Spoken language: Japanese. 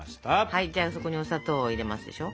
はいじゃあそこにお砂糖を入れますでしょ。